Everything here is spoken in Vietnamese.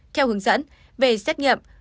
theo hướng dẫn về xét nghiệm